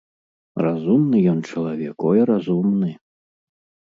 Разумны ён чалавек, ой, разумны!